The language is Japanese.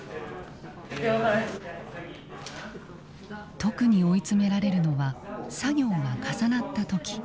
特に追い詰められるのは作業が重なった時。